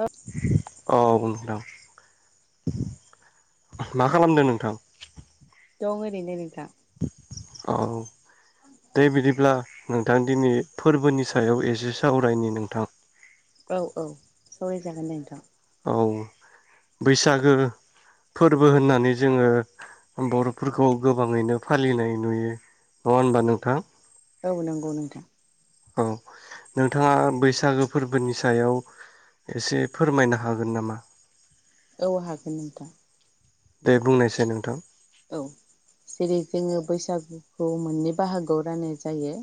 औ औ बुं मा खालामदों नोंथां औ ओरैनो नोंथां औ दे बिदिब्ला नोंथां दिनै फोरबोनि सायाव एसे सावरायनि नोंथां औ औ सावरायजागोन दे नोंथां औ बैसागो फोरबो होननानै जोङो बर'फोरखौ गोबाङैनो फालिनाय नुयो नङा होनबा नोंथां औ नंगौ नोंथां औ नोंथाङा बैसागो फोरबोनि सायाव एसे फोरमायनो हागोन नामा औ हागोन नोंथां दे बुंनायसाय नोंथां औ जेरै जोङो बैसागुखौ मोननै बाहागोआव राननो जायो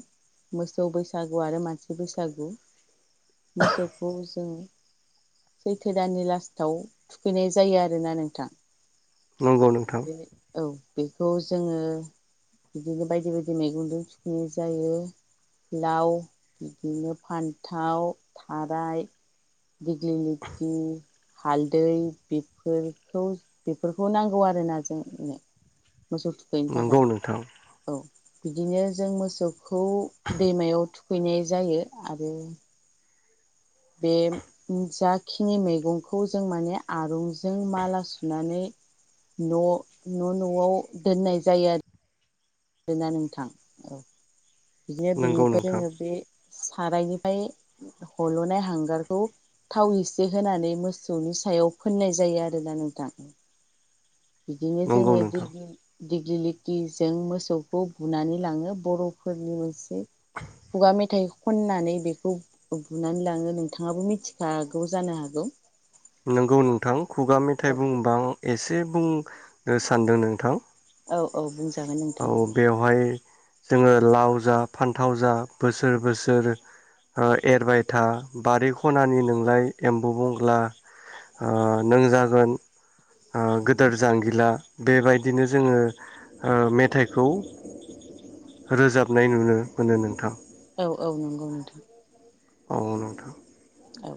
मोसौ बैसागु आरो मानसि बैसागु मोसोखौ जों सैथो दाननि लास्टाव थुखैनाय जायो आरोना नोंथां नंगौ नोंथां बेनो औ बेखौ जोङो बिदिनो बायदि बायदि मैगंजों थुखिनाय जायो लाव बिदिनो फान्थाव थाराय दिगलिगिथि [unintelligible] हालदै बेफोर बेफोरखौ नांगौ आरो कररायनाजोंनो [unintelligible] मोसौ थुखैनो नंगौ थाखाय नोंथां बिदिनो जों मोसौखौ दैमायाव थुखैनाय जायो आरो बे जाखिनि मैगंखौ जों माने आरुंजों माला सुनानै न' न' न'आव दोननाय जायो आरो बेा नोंथां औ [unintelligible] बिदिनो नंगौ बिनिफ्राय नोंथां जोङो बे सारायनिफ्राय हल'नाय हांगारखौ थाव एसे होनानै मोसौनि सायाव फोननाय जायो आरोना नोंथां बिदिनो नंगौ जोङो नोंथां दिगलि दिग्लिलिथिजों मोसौखौ बुनानै लाङो बर'फोरनि मोनसे खुगा मेथाइ खननानै बेखौ बुनानै लाङो नोंथाङाबो मिथिखागौ जानो हागौ नंगौ नोंथां खुगा मेथाइ बुङोबां एसे बुंनो सानदों नोंथां औ औ बुंसाय औ बेवहाय जोङो लाव जा फानथाव जा बोसोर बोसोर एरबाय था बारि खनानि नोंलाय एम्बु बंग्ला नों जागोन गोदोर जांगिला बेबायदिनो जोंङो ओ मेथाइखौ रोजाबनाय नुनो मोनो नोंथां। औ औ नंगौ नोंथां। अ नोंथां। औ।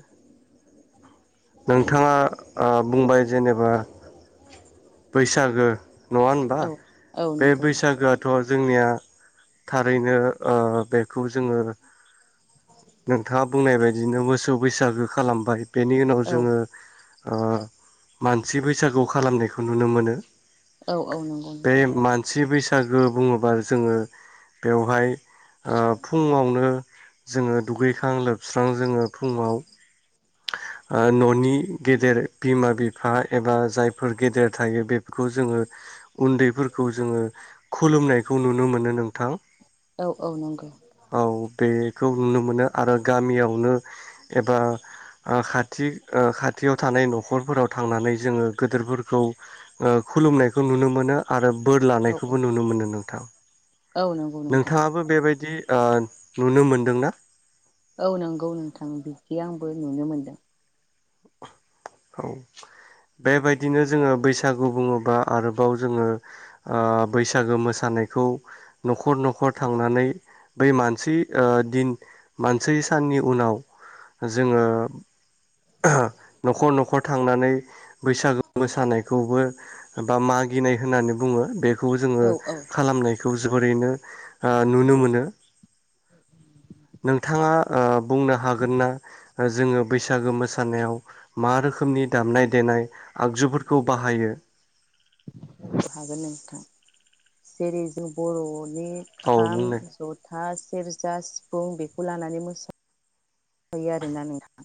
नोंथाङा बुंबाय जेनेबा बैसागो नङा होनबा औ औ बे नंगौ नोंथां बैसागोआथ' जोंनिया थारैनो ओ बेखौ जोंङो नोंथाङा बुंनाय बायदिनो मोसौ बैसागो खालामबाय बेनि उनाव औ जोंङो ओ मानसि बैसागु खालामनायखौ नुनो मोनो औ औ नंगौ। मोनसि बैसागो बुङोबा जोंङो बेवहाय ओ फुङावनो जोंङो दुगैखां लोबस्रां जोंङो फुंआव न'नि गेदेर बिमा बिफा एबा जायफोर गेदेर थायो बेफोरखौ जोंङो उन्दैफोरखौ खौ जोंङो खुलुमनायखौ नुनो मोनो नों थां। औ बेखौ नुनो मोनो आरो गामियावनो एबा खाथि खाथियाव थानाय न'खरफोराव थांनानै जोङो गोदोरफोर खौ खुलुमनायखौ नुनो मोनो। आरो बोर औ लानायखौबो नुनो मोनो नोंथां। औ नंगौ नोंथां नोंथाङाबो बेबायदि बिदि नुनो मोनदोंना? औ नंगौ नोंथां बिदि आंबो [inaudible] औ। बेबायदिनो जोङो बैसागु बुङोबा आरोबाव जोङो बैसागो मोसानायखौ न'खर न'खर थांनानै बै मानसि दिन मानसे साननि उनाव जोङो न'खर न'खर थांनानै बैसागो मोसानायखौबो बा मागिनाय होननानै बुङो बे खौ जोङो औ औ खालामनाय खौ जोबोरैनो नुनो मोनो नोंथाङा बुंनो हागोन ना जोङो बैसागो मो मोसानायाव मा रोखोमनि दामनाय देनाय आगजुफोरखौ बाहायो? हागोन नोंथां जेरै जों बर' नि औ खाम बुंनाय जथा सेरजा सिफुं बेखौ लानानै मोसा बै आरो ना नोंथां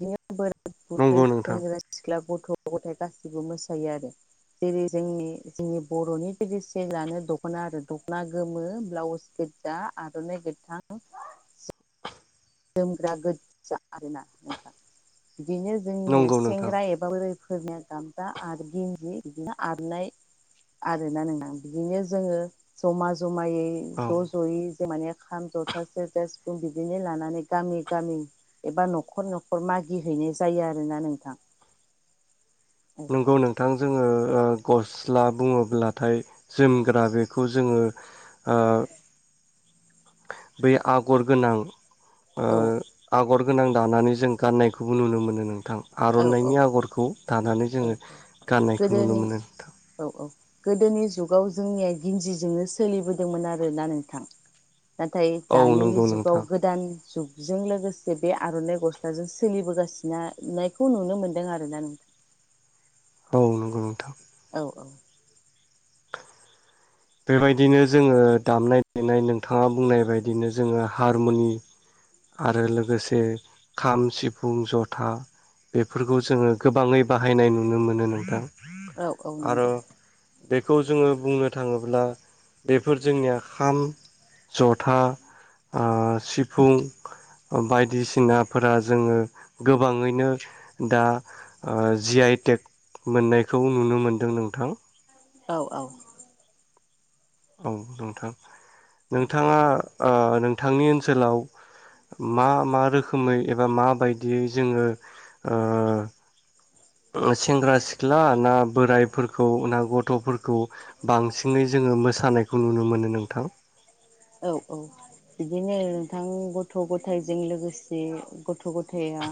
बिदि बोरा बुरै नंगौ नोंथां सेंग्रा सिख्ला ब गथ' गथाय गासिबो मोसायो आरो जेरै जोंनि जोंनि बर'नि ट्रेडिसेनानो दख'ना आरो दख'ना गोमो, ब्लाउस गोजा, आर'नाइ गोथां जोमग्रा गोजा आरोना नोंथां। बिदिनो जोंनि नंगौ नोंथां सेंग्रा एबा फोरनिया गामसा आरो गिन्दि बिदिनो आरनाय आरोना नों बिदिनो जोङो जमा जम मायै औ ज'ज'यै माने खाम जथासे जे सिफुं बिदिनो लानानै गामि गामि एबा न'खर न'खर मागिहैनाय जायो आरोना नोंथां नंगौ नोंथां जोङो गस सिस्ला बुङोब्लाथाय जोमग्रा बेखौ जोङो ओ बै आगर गोनां ओ औ आगर गोनां दानानै जों गाननायखौबो नुनो मोनो नों थां औ औ आर'नाइनि आगरखौ दानानै औ जोङो गाननायखौ नुनो गोदोनि मोनो नोंथां। औ औ गोदोनि जुगाव जोंनिया गिन्जिजोंनो सोलिबोदोंमोन आरोना नोंथां? नाथाय औ दानि नंगौ जुगाव नोंथां गोदान जुग जों लोगोसे बे आर'नाइ गस्लाजों सोलिबोगासिनो ना नाइ बे खौ नुनो मोन्दों आरोना नोंथां? औ नंगौ नोंथां। औ‌ बेबायदिनो जोङो दामनाय देनाय नोंथाङा बुंनाय बदिनो जोङो हारमुनि आरो लोगोसे खाम सिफुं जथा बेफोरखौ जोङो गोबाङै बाहायनाय नुनो मोनो नोंथां। औ औ आरो नंगौ बेखौ जोङो बुंनो था थाङोब्ला बेफोर जोंनि खाम, जथा, सिफुं ओ बायदिसिनाफोरा जोङो गोबाङैनो दा ओ जि आइ टेक मोननायखौ नुनो मोनदों नोंथां। औ औ। औ नोंथां। नोंथाङा ओ नोंथांनि ओनसोलाव मा मा रोखोमै एबा माबायदियै जोङो ओ ओ सेंग्रा सिख्ला ना बोरायफोरखौ ना गथ'फोरखौ बांसिनै जोङो मोसानायखौ नुनो मोनो? नोंथां? औ औ बिदिनो नोंथां गथ' गथायजों लोगोसे गथ' गथाया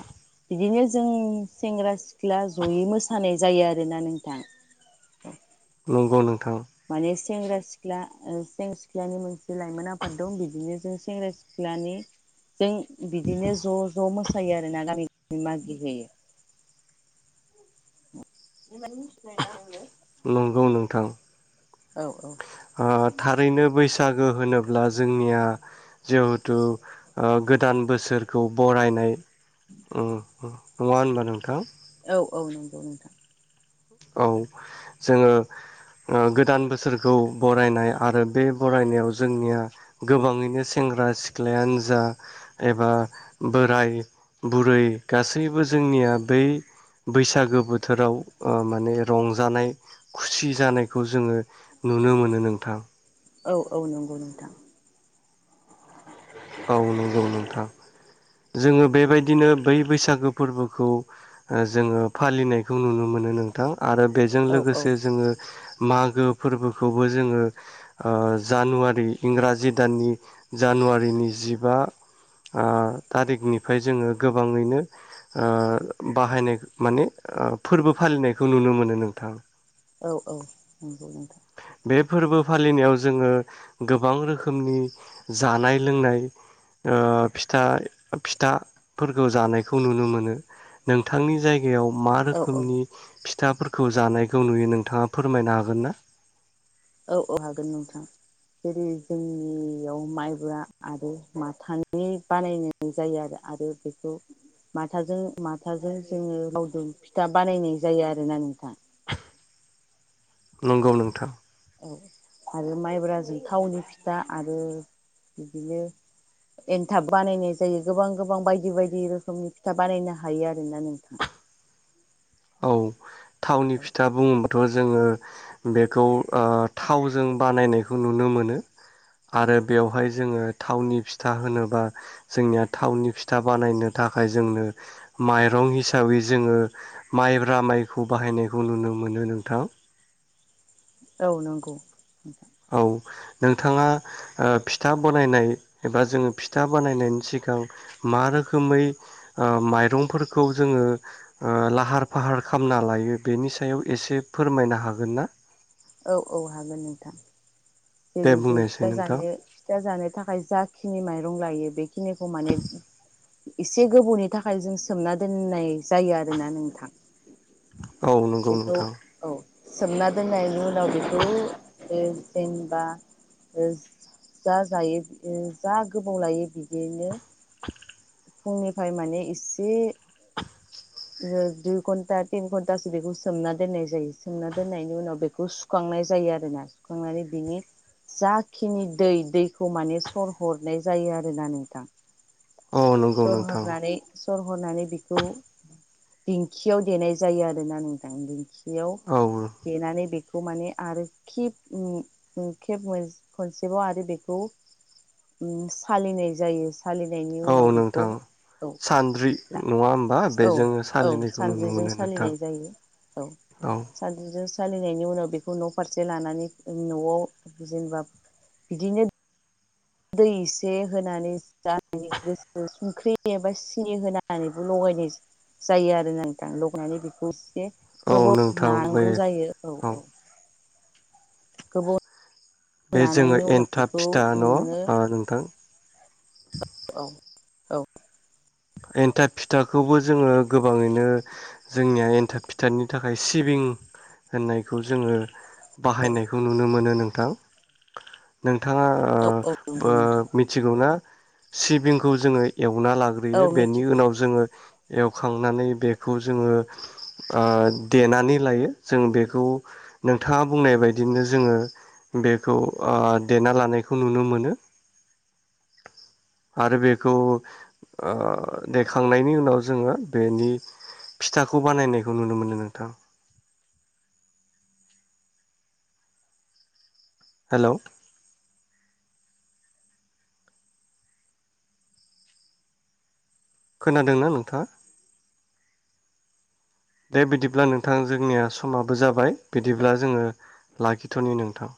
बिदिनो जों सेंग्रा सिख्ला जयै मोसानाय जायो आरोना नोंथां औ नंगौ नो माने सेंग्रा सिख्ला ओ सेंग्रा सिख्लानि मोनसे लाइमोन आफाद दं बिदिनो जों सेंग्रा सिख्लानि जों बिदिनो ज' ज' मोसायो आरो ना गामि बिम गि होयो मनानो नंगौ नोंथां औ औ। ओ थारैनो बैसागो होनोब्ला जोंनिया जिहेथु ओ गोदान बोसोरखौ बरायनाय ओम नङा होनबा नोंथां? औ औ नंगौ नोंथां। औ जोङो ओ गोदान बोसोरखौ बरायनाय आरो बे बरायनायाव जोंनिया गोबाङैनो सेंग्रा सिख्लायानो जा एबा बोराय बुरै गासैबो जोंनिया बै बैसागो बोथोराव ओ माने रंजानाय खुसि जानायखौ जोङो नुनो मोनो नोंथां। औ औ नंगौ नोंथां औ नंगौ नोंथां जोङो बेबायदिनो बै बैसागो फोरबोखौ जोङो फालिनायखौ नुनो मोनो नोंथां आरो बेजों औ औ लोगोसे जोङो मागो फोरबोखौबो जोङो ओ जानुवारि इंराजि दाननि जानुवारिनि जिबा ओ थारिखनिफ्राय जोङो गोबाङैनो ओ बाहायनाय माने ओ फोरबो फालिनायखौ नुनो मोनो नोंथां। औ औ नंगौ नोंथां। बे फोरबो फालिनायाव जोङो गोबां रोखोमनि जानाय लोंनाय ओ फिथाय फिथाफोरखौ जानायखौ नुनो मोनो नोंथांनि जाय जायायाव मा औ औ रोखोमनि फिथाफोरखौ जानायखौ नुयो नोंथाङा फोरमायनो हागोन ना औ औ हागोन नोंथां जेरै जोंनियाव माइब्रा आरो माथानि बानायनाय जायो आरो आरो बेखौ माथाजों माथाजों जोङो लावदुम फिथा बानायनाय जायो आरोना नोंथां नंगौ नोंथां औ आरो माइब्राजों थावनि फिथा आरो बिदिनो एनथाब बानायनाय जायो गोबां गोबां बायदि बायदि रोखोमनि फिथा बानायनो हायो आरोना नोंथां। औ थावनि फिथा बुङोब्लाथ' जोङो बेखौ ओ थावजों बानायनायखौ नुनो मोनो आरो बेवहाय जोङो थावनि फिथा होनोबा जोंनिया थावनि फिथा बानायनो थाखाय जोंनो माइरं हिसाबै जोङो माइब्रा माइखौ बाहायनायखौ नुनो मोनो नोंथां। औ नोंगौ। औ नोंथाङा ओ फिथा बनायनाय एबा जोङो फिथा बानायनायनि सिगां मा रोखोमै माइरंफोरखौ जोङो ओ लाहार फाहार खालामना लायो बेनि सायाव एसे फोरमायनो हागोन ना? औ औ हागोन नोंथां। दे जेरै जों बुंनायसै फिथा नोंथां जानो फिथा जानो थाखाय जाखिनि माइरं लायो खिनिखौ माने एसे गोबौनि थाखाय जों सोमना दोननाय जायो। आरो ना नोंथां औ नंगौ बेखौ नोंथां औ सोमना दोननायनि उनाव बेखौ ओ जेनेबा ओ जा जायो जा गोबाव लायो बिदिनो [unintelligible] फुंनिफ्राय माने इसे ओ दुइ घन्टा तिन घन्टासो बेखौ सोमना दोननाय जायो सोमना दोननायनि उनाव बेखौ सुखांनाय जायो आरोना सुखांनानै बिनि जाखिनि दै दैखौ माने सर हरनाय जायो आरो ना नोंथां। औ नंगौ सर नोंथां हरनानै सर हरनानै बेखौ दिंखियाव देनाय जायो आरो ना नोंथां। खियाव औ देनानै बेखौ खौ माने आरो खिप उम खेब खनसेबाव आरो बेखौ उम सालिनाय जायो। सालिनायनि उनाव बे औ सान्द्रि नङा होमबा औ बेजों औ सालिनायखौ नुनो सान्द्रिजों मोनो नोंथां सालिनाय जायो औ सान्द्रिजों सालिनायनि उनाव बेखौ न' फारसे लानानै न'आव जेनेबा बिदिनो दै एसे होनानै जा गोसो सुंख्रि एबा सिनि होनानैबो लगायनाय जायो आरो नोंथां लगायनानै बेखौ एसे औ गोबाव नोंथां बे नानांगौ जायो औ औ गोबाव बे जोङो नानायनि उनाव एनथाब बेखौ फिथा न नोङो ओ नोंथां औ औ एन्थाब फिथाखौबो जोङो गोबाङैनो जोंनिया एन्थाब फिथानि थाखाय सिबिं होननायखौ जोङो औ बाहायनायखौ नुनो मोनो नों थां नों थाङा ओ औ औ नंगौ बो नोंथां मिथिगौ ना? सिबिंखौ जोङो एवना औ लाग्रोयो नि मिथिगौ उनाव जोङो एवखांनानै बेखौ जोङो ओ देनानै लायो जों बेखौ नोंथाङा बुंनाय बायदिनो जोङो बेखौ ओ देना लानायखौ नुनो मोनो आरो बेखौ ओ ओ देखांनायनि उनाव जोङो बेनि फिथाखौ बानायनायखौ नुनो मोनो नोंथां। हेलौ खोनादोंना नोंथां दे बिदिब्ला नोंथां जोंनिया समाबो जाबाय बिदिब्ला जोङो लाखिथनि नोंथां।